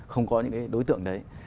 không có những cái đối tượng đấy